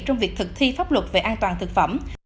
trong việc thực thi pháp luật về an toàn thực phẩm